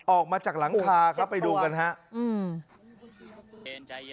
ออกมาจากหลังคาครับไปดูกันครับ